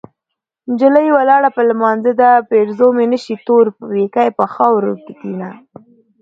نجلۍ ولاړه په لمانځه ده پېرزو مې نشي تور پيکی په خاورو ږدينه